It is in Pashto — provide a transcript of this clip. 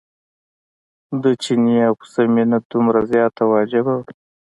د چیني او پسه مینه دومره زیاته وه عجیبه وه.